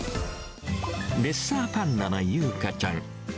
レッサーパンダの優香ちゃん。